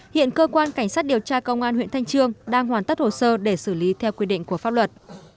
hiện cơ quan cảnh sát điều tra công an huyện thanh trương đang hoàn tất hồ sơ để xử lý theo quy định của pháp luật